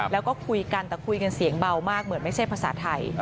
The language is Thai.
แล้วก็คุยกันแต่คุยกันเสียงเบามากเหมือนไม่ใช่ภาษาไทย